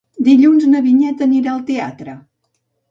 Dilluns na Vinyet anirà al teatre.